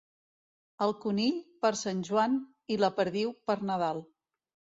El conill, per Sant Joan, i la perdiu, per Nadal.